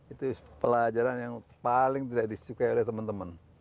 itu pelajaran yang paling tidak disukai oleh teman teman